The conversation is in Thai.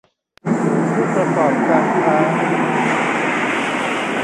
ผู้ประกอบการค้า